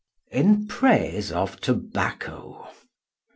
IN PRAISE OF TOBACCO.